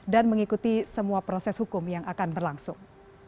dan mengikuti semua proses hukum yang akan berlangsung